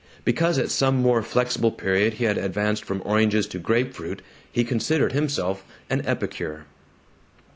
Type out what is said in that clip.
Because at some more flexible period he had advanced from oranges to grape fruit he considered himself an epicure.